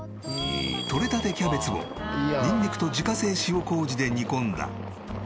採れたてキャベツをにんにくと自家製塩麹で煮込んだスープ。